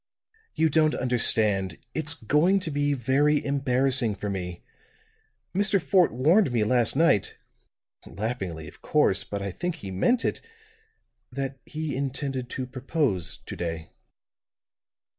"You don't understand. It's going to be very embarrassing for me. Mr. Fort warned me last night laughingly, of course, but I think he meant it that he intended to propose to day."